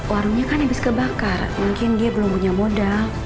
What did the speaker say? warungnya kan habis kebakar mungkin dia belum punya modal